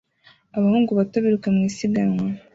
Abahungu bato biruka mu isiganwa